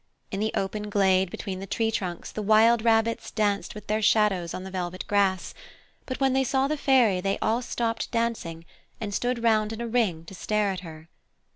In the open glade between the tree trunks the wild rabbits danced with their shadows on the velvet grass, but when they saw the Fairy they all stopped dancing and stood round in a ring to stare at her.